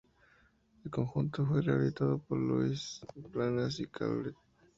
El conjunto fue rehabilitado por Lluís Planas i Calvet.